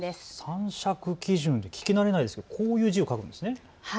参酌基準で聞き慣れないですがこういう字を書くんですね。